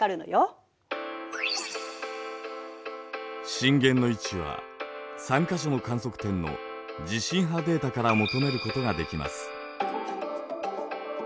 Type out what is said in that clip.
震源の位置は３か所の観測点の地震波データから求めることができます。